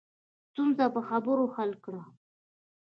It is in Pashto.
ستونزه په خبرو حل کړه